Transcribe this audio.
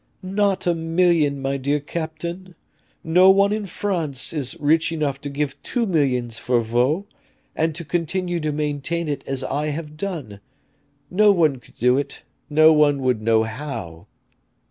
"Not a million, my dear captain. No one in France is rich enough to give two millions for Vaux, and to continue to maintain it as I have done; no one could do it, no one would know how."